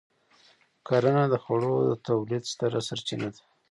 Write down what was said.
کرنه د خوړو د تولید ستره سرچینه ده.